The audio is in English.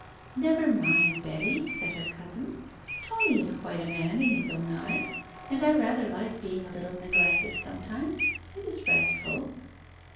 "Never mind, Betty," said her cousin. "Tommy is quite a man in his own eyes, and I rather like being a little neglected sometimes. It is restful."